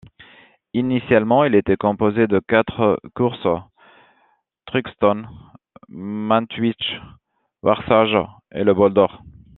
Initialement, il était composé de quatre courses, Thruxton, Montjuich, Warsage et le Bol d'or.